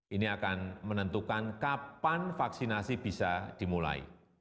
ini akan menentukan kapan vaksinasi bisa dimulai